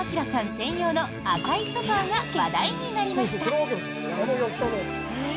専用の赤いソファが話題になりました。